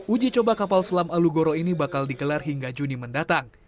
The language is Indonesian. uji coba kapal selam alugoro ini bakal digelar hingga juni mendatang